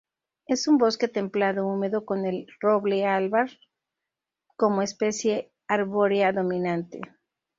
Es un bosque templado húmedo, con el roble albar como especie arbórea dominante.